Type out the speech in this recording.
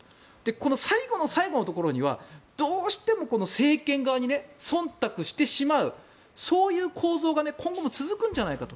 この最後の最後のところにはどうしても政権側にそんたくしてしまうそういう構造が今後も続くんじゃないかと。